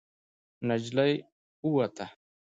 نجلۍ ووته.